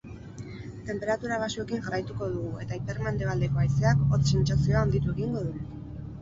Tenperatura baxuekin jarraituko dugu eta ipar-mendebaldeko haizeak hotz sentsazioa handitu egingo du.